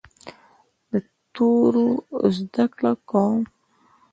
د تورو زده کړه کوم.